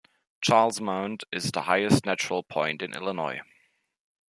Charles Mound is the highest natural point in Illinois.